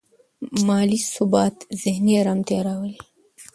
مالي ثبات ذهني ارامتیا راولي.